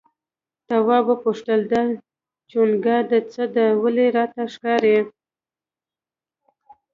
تواب وپوښتل دا چونگا د څه ده ولې راته ښکاري؟